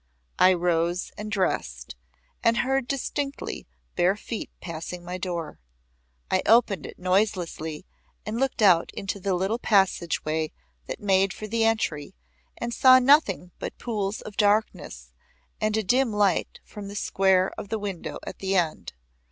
I rose and dressed, and heard distinctly bare feet passing my door. I opened it noiselessly and looked out into the little passage way that made for the entry, and saw nothing but pools of darkness and a dim light from the square of the window at the end.